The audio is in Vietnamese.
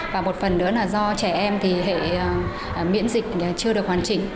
và một phần nữa là do trẻ em thì hệ miễn dịch chưa được hoàn chỉnh